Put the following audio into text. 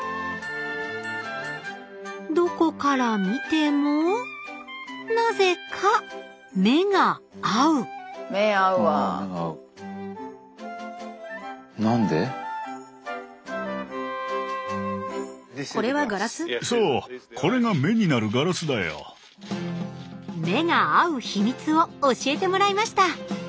どこから見てもなぜか目が合う目が合う秘密を教えてもらいました。